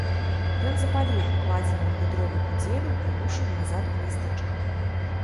Ён запаліў укладзеную ў дровы кудзелю і рушыў назад у мястэчка.